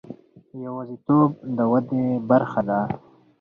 یوازیتوب د ودې برخه ده.